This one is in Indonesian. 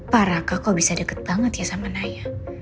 parah kakak bisa deket banget ya sama naya